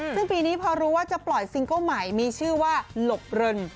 ซึ่งปีนี้พอรู้ว่าจะปล่อยซิงเกิ้ลใหม่มีชื่อว่าหลบเริน